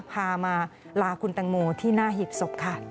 พามาลาคุณแตงโมที่หน้าหีบศพค่ะ